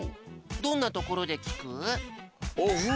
どんなところできく？